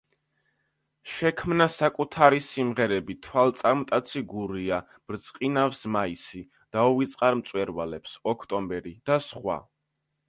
შექმნა საკუთარი სიმღერები „თვალწარმტაცი გურია“, „ბრწყინავს მაისი“, „დაუვიწყარ მწვერვალებს“, „ოქტომბერი“ და სხვა.